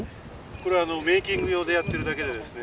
これはメーキング用でやってるだけでですね